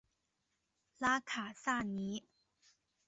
拉卡萨尼。